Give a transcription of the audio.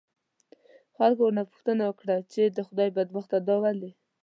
خلکو ورنه پوښتنه وکړه، چې آ د خدای بدبخته دا ولې؟